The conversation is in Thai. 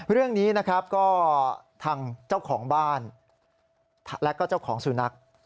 เรื่องนี้นะครับก็ทางเจ้าของบ้านและก็เจ้าของสุนัข